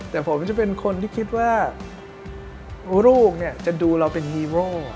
แต่ผมจะเป็นคนที่คิดว่าลูกเนี่ยจะดูเราเป็นฮีโร่